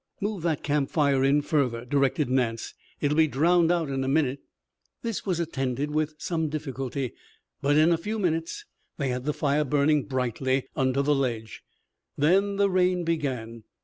"Move that camp fire in further," directed Nance. "It'll be drowned out in a minute." This was attended with some difficulty, but in a few minutes they had the fire burning brightly under the ledge. Then the rain began.